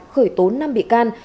khởi tố năm bị can